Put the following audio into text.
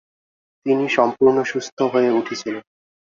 তিনি সম্পূর্ণ সুস্থ হয়ে উঠেছিলেন।